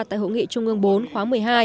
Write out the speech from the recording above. tại hội nghị trung ương bốn khóa một mươi hai